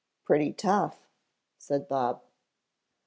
"Pretty tough," said Bob.